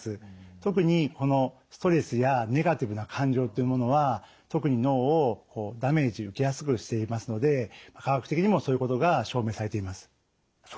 特にストレスやネガティブな感情っていうものは特に脳をダメージ受けやすくしていますので科学的にもそういうことが証明されています。